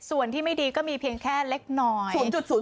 ส่วนที่ไม่ดีก็มีเพียงแค่เล็กน้อย